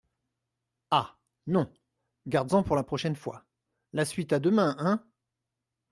Ah ! non, gardes-en pour la prochaine fois ; la suite à demain, hein ?